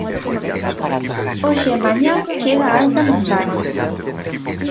Hoxe e mañá chega a alta montaña.